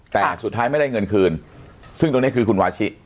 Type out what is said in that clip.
แต่สุดท้ายไม่ได้เงินคืนซึ่งตรงนี้คือคุณวาชิ